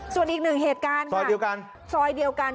ส่วนอีกหนึ่งเหตุการณ์ค่ะซอยเดียวกัน